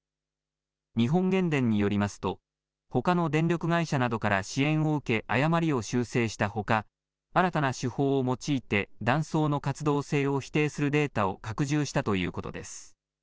日本原電によりますとほかの電力会社などから支援を受け誤りを修正したほか新たな手法を用いて断層の活動性を否定するデータを拡充したということです。